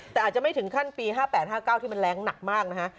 แต่อาจจะไม่ถึงขั้นปี๕๘๕๙ที่มันแรงหนักมากนะฮะ